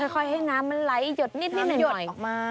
ค่อยให้น้ำมันไหลหยดนิดหยดออกมา